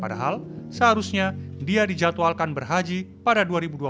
pada hal seharusnya dia dijadwalkan berhaji pada dua ribu dua puluh satu